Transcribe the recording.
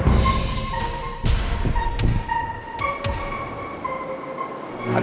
aku mau berpelanggan